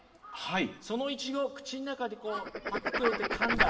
そのイチゴ口の中でパクッと入れてかんだ